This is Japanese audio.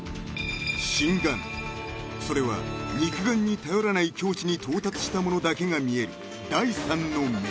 ［それは肉眼に頼らない境地に到達した者だけが見える第３の目］